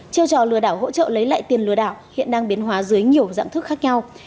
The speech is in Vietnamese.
chiêu trò lừa đảo hỗ trợ lấy lại tiền lừa đảo hiện đang biến hóa dưới nhiều dạng thức khác nhau